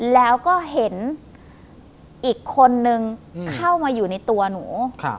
แล้วก็เห็นอีกคนนึงเข้ามาอยู่ในตัวหนู